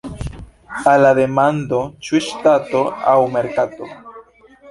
Al la demando "Ĉu ŝtato aŭ merkato?